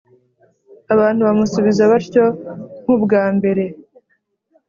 abantu bamusubiza batyo nk’ubwa mbere.